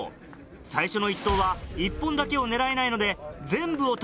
最初の１投は１本だけを狙えないので。